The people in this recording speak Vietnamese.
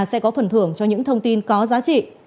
sẽ có phần thưởng cho những thông tin có giá trị